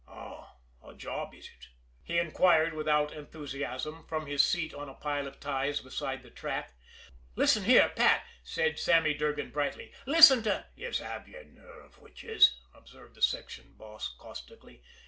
"Oh, a job is ut?" he inquired without enthusiasm, from his seat on a pile of ties beside the track. "Listen, here, Pat," said Sammy Durgan brightly. "Listen to " "Yez have yer nerve wid yez!" observed the section boss caustically.